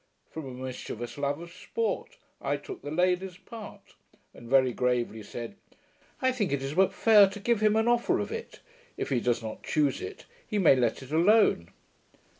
From a mischievous love of sport, I took the lady's part; and very gravely said, 'I think it is but fair to give him an offer of it. If he does not choose it, he may let it alone.'